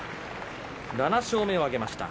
７勝目を挙げました。